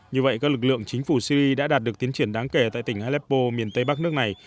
như vậy các lực lượng chính phủ syri đã đạt được tiến triển đáng kể tại tỉnh aleppo miền tây bắc nước này